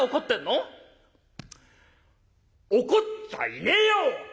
「怒っちゃいねえよ！」。